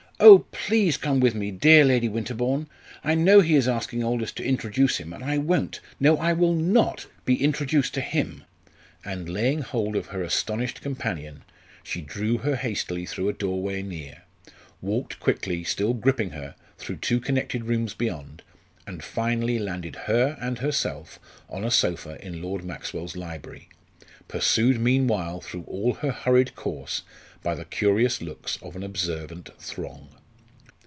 "Oh, please come with me, dear Lady Winterbourne! I know he is asking Aldous to introduce him, and I won't no I will not be introduced to him." And laying hold of her astonished companion, she drew her hastily through a doorway near, walked quickly, still gripping her, through two connected rooms beyond, and finally landed her and herself on a sofa in Lord Maxwell's library, pursued meanwhile through all her hurried course by the curious looks of an observant throng.